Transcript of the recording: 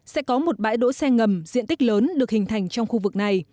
sẽ có một bãi đỗ xe ngầm diện tích lớn được hình thành trong khu vực này